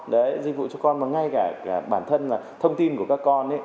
đấy dịch vụ cho con mà ngay cả bản thân là thông tin của các con